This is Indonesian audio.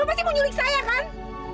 pasti mau nyulik saya kan